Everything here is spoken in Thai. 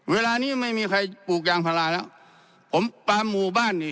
เวลานี้ไม่มีใครปลูกยางพาราแล้วผมปลาหมู่บ้านนี่